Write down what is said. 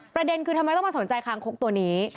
ประเด็นคือทำไมต้องมาสนใจคางคกตัวนี้